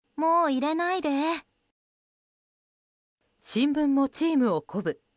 新聞もチームを鼓舞。